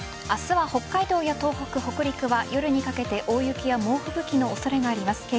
明日は北海道や東北北陸は夜にかけて大雪や猛吹雪の恐れがあります。